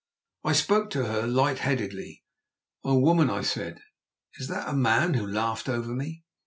I spoke to her light headedly. "O woman," I said, "is that a man who laughed over me?"